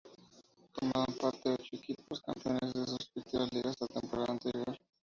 Tomaban parte ocho equipos campeones de sus respectivas ligas la temporada anterior.